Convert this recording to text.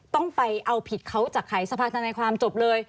ต้องไปเอาผิดเขาจากใครสภาธนาความจบเลย